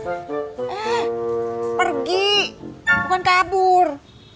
eh pergi bukan kabur